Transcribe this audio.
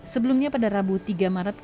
sebelumnya pada rabu tiga maret